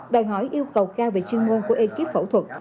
đòi hỏi yêu cầu cao về chuyên môn của ekip phẫu thuật